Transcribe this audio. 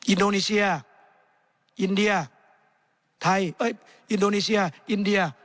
อินโดนีเซียอินเดียไทยอินโดนีเซียอินเดีย